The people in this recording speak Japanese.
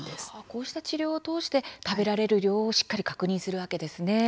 こうした治療を通して食べられる量をしっかり確認するわけですね。